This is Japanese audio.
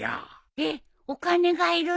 えっお金が要るの？